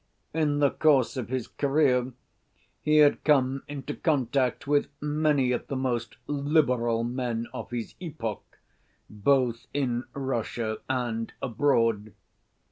In the course of his career he had come into contact with many of the most Liberal men of his epoch, both in Russia and abroad.